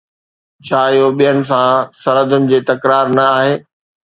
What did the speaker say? ڇا اهو ٻين سان سرحدن جي تڪرار نه آهي؟